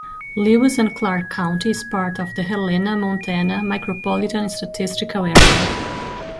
Lewis and Clark County is part of the Helena, Montana Micropolitan Statistical Area.